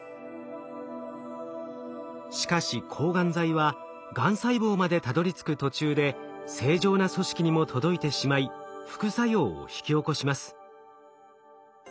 しかし抗がん剤はがん細胞までたどりつく途中で正常な組織にも届いてしまい副作用を引き起こします。